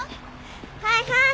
はいはい。